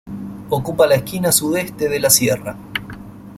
Ocupa la esquina sudeste de la sierra.